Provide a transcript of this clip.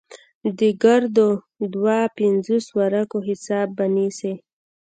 د ګردو دوه پينځوس ورقو حساب به نيسې.